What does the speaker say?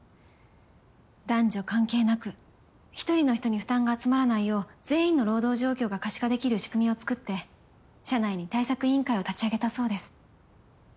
男女関係なく１人の人に負担が集まらないよう全員の労働状況が可視化できる仕組みを作って社内に対策委員会を立ち上げたそうです。